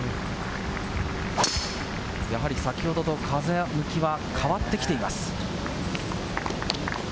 やはり先ほどと風向きは変わってきています。